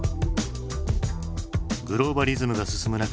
グローバリズムが進む中